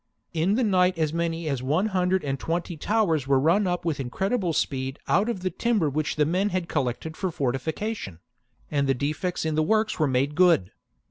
In the night as many as one hundred and twenty towers were run up with incredible speed out of the timber which the men had collected for fortification ; and the defects in the works were made good.